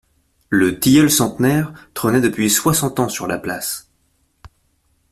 Le tilleul centenaire trônait depuis soixante ans sur la place.